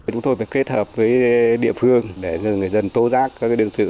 chúng tôi phải kết hợp với địa phương để người dân tố giác các đương sự